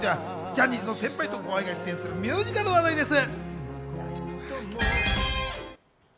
ジャニーズの先輩と後輩が出演するミュージカルの話題です。